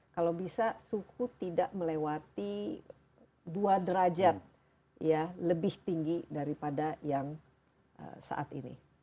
kalau bisa suhu tidak melewati dua derajat lebih tinggi daripada yang saat ini